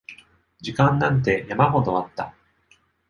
時間なんて山ほどあった